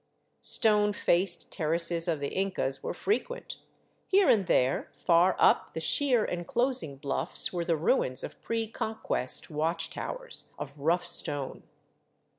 Stone faced terraces of the Incas were frequent; here and there far up the sheer enclosing bluffs were the ruins of pre Conquest watch towers of rough stone.